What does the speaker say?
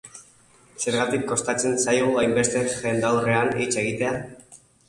Zergatik kostatzen zaigu hainbeste jendaurrean hitz egitea?